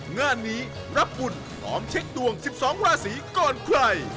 งานนี้รับบุญพร้อมเช็คดวง๑๒ราศีก่อนใคร